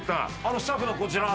スタッフのこちらの頭は。